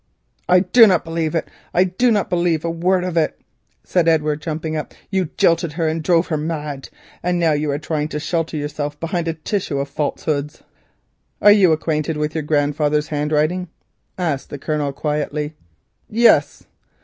"I do not believe it, I do not believe a word of it," said Edward, jumping up. "You jilted her and drove her mad, and now you are trying to shelter yourself behind a tissue of falsehood." "Are you acquainted with your grandfather's handwriting?" asked the Colonel quietly. "Yes."